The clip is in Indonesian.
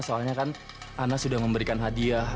soalnya kan ana sudah memberikan hadiah